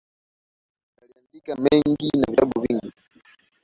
Aliandika mengi na vitabu vingi.